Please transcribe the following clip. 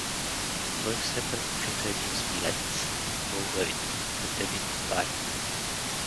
Той все предпочита един Смилец, българин, пред един татарин.